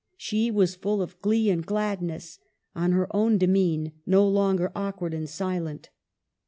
She was full of glee and gladness, on her own de mesne, no longer awkward and silent.